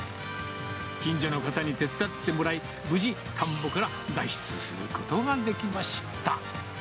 近所の方に手伝ってもらい、無事、田んぼから脱出することができました。